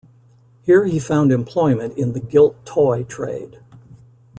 Here he found employment in the gilt-toy trade.